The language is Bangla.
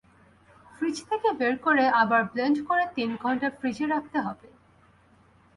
ফ্রিজ থেকে বের করে আবার ব্লেন্ড করে তিন ঘণ্টা ফ্রিজে রাখতে হবে।